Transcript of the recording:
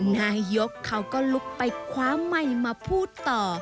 นายกเขาก็ลุกไปคว้าไมค์มาพูดต่อ